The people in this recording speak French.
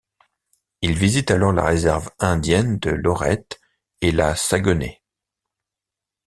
Il visite alors la réserve indienne de Lorette et la Saguenay.